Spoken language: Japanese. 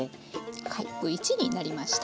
カップ１になりました。